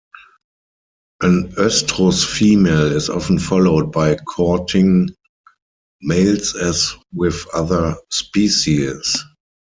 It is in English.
An oestrus female is often followed by courting males as with other species.